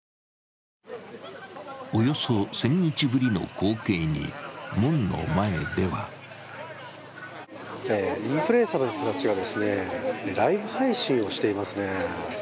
およそ１０００日ぶりの光景に門の前ではインフルエンサーの人たちがライブ配信をしていますね。